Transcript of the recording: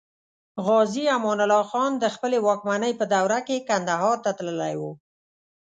غازي امان الله خان د خپلې واکمنۍ په دوره کې کندهار ته تللی و.